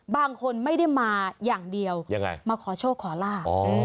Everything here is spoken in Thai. บางคนไม่ได้มาอย่างเดียวยังไงมาขอโชคขอลาบ